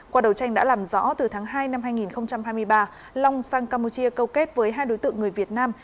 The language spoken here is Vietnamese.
qua đầu tranh đã làm rõ từ tháng hai năm hai nghìn hai mươi ba long sang campuchia câu kết với hai đối tượng người việt nam